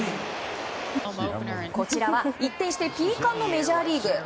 こちらは一転してピーカンのメジャーリーグ。